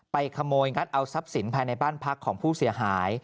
ขโมยงัดเอาทรัพย์สินภายในบ้านพักของผู้เสียหาย